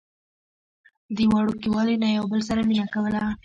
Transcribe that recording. د وړوکوالي نه يو بل سره مينه کوله